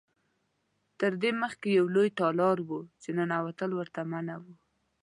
تر دې مخکې یو لوی تالار و چې ننوتل ورته منع و.